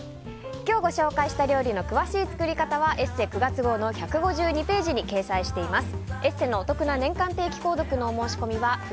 今日ご紹介した料理の詳しい作り方は「ＥＳＳＥ」９月号の１５２ページに掲載しています。